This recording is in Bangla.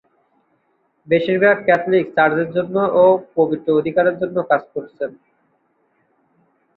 বেশিরভাগই ক্যাথলিক চার্চের জন্য ও পবিত্র অধিকারের জন্য কাজ করছেন।